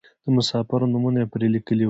د مسافرو نومونه یې پرې لیکلي وو.